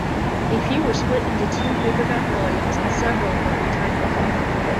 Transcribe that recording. A few were split into two paperback volumes, and several were retitled.